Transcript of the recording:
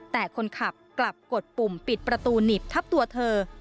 แต่คนขับกลับกดปุ่มปิดประตูหนีบทับตัวเธอ